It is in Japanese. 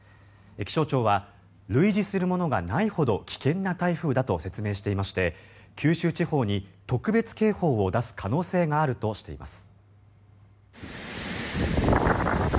気象庁は類似するものがないほど危険な台風だと説明していまして九州地方に特別警報を出す可能性があるとしています。